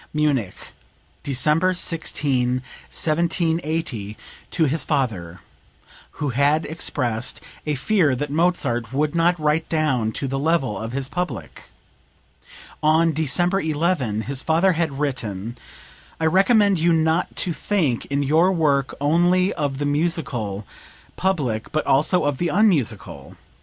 (Munich, December 16, 1780, to his father, who had expressed a fear that Mozart would not write down to the level of his public. [On December 11, his father had written: "I recommend you not to think in your work only of the musical public, but also of the unmusical.